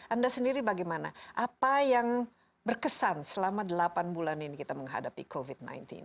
anda sendiri bagaimana apa yang berkesan selama delapan bulan ini kita menghadapi covid sembilan belas